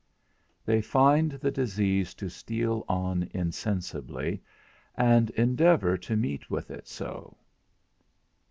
_They find the disease to steal on insensibly, and endeavour to meet with it so.